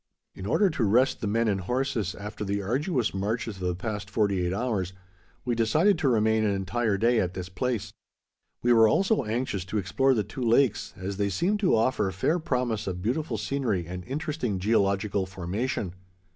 In order to rest the men and horses, after the arduous marches of the past forty eight hours, we decided to remain an entire day at this place. We were also anxious to explore the two lakes, as they seemed to offer fair promise of beautiful scenery and interesting geological formation.